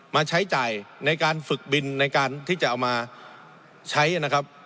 มาใช้จ่ายในการฝึกบินในการที่จะเอามาใช้นะครับ